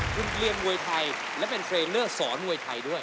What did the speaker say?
คุณเกลียนมวยไทยและเป็นเทรลเลอร์สอนมวยไทยด้วย